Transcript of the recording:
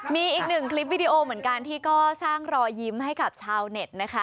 มีอีกหนึ่งคลิปวิดีโอเหมือนกันที่ก็สร้างรอยยิ้มให้กับชาวเน็ตนะคะ